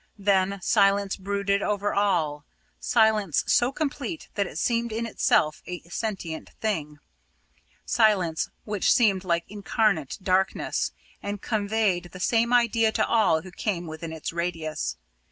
Then silence brooded over all silence so complete that it seemed in itself a sentient thing silence which seemed like incarnate darkness, and conveyed the same idea to all who came within its radius.